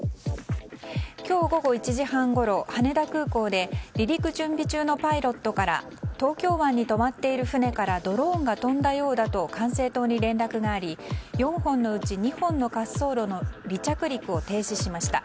今日午後１時半ごろ、羽田空港で離陸準備中のパイロットから東京湾に止まっている船からドローンが飛んだようだと管制塔に連絡があり４本のうち２本の滑走路の離着陸を停止しました。